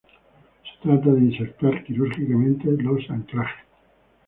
Se trata de insertar quirúrgicamente los anclajes.